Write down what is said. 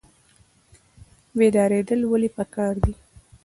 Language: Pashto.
بیداریدل ولې پکار دي؟